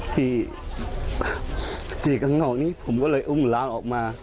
ที่ที่ข้างนอกนี้ผมก็เลยอุ้มล้างออกมา